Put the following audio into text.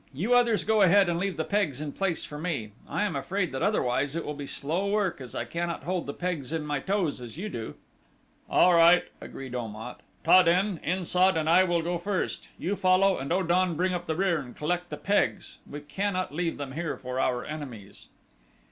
"You others go ahead and leave the pegs in place for me. I am afraid that otherwise it will be slow work as I cannot hold the pegs in my toes as you do." "All right," agreed Om at; "Ta den, In sad, and I will go first, you follow and O dan bring up the rear and collect the pegs we cannot leave them here for our enemies."